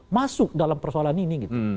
masuk dalam persoalan ini gitu